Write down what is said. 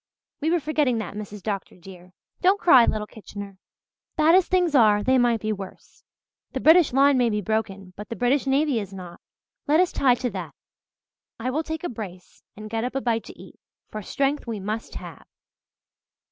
We were forgetting that, Mrs. Dr. dear. Don't cry, little Kitchener. Bad as things are, they might be worse. The British line may be broken but the British navy is not. Let us tie to that. I will take a brace and get up a bite to eat, for strength we must have."